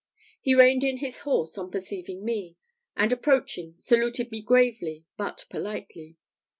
He reined in his horse on perceiving me; and approaching, saluted me gravely, but politely.